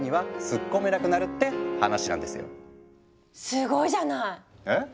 すごいじゃない！え？